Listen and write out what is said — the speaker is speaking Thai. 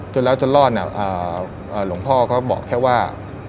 จนแล้วจนรอดเนี่ยหลวงพ่อก็บอกแค่ว่า